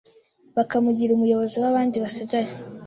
bakamugira umuyobozi w’abandi basigaye